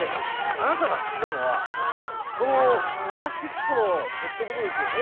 あなたが捨てたのはこのプラスチックのペットボトルですよね？